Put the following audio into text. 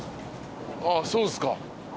ああそうですか。